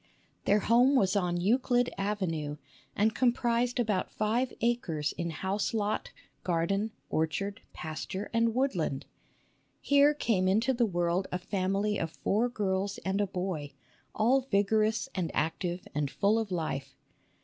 Their home was on Euclid Avenue, and comprised about five acres in house lot, garden, orchard, pasture, and woodland. Here came into the world a family of four girls and a boy, all vigorous and active and full of life.